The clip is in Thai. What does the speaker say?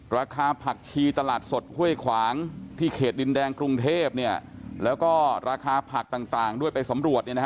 ราคาผักชีตลาดสดห้วยขวางที่เขตดินแดงกรุงเทพแล้วก็ราคาผักต่างด้วยไปสำรวจ